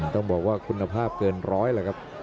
ต้องบอกว่าคุณภาพเกินร้อยแหละครับ